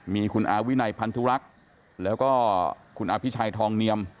มีคุณอาวินัยพันธุรักษ์แล้วก็คุณอภิชัยทองเนียม